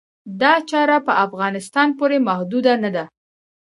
دا چاره په افغانستان پورې محدوده نه ده.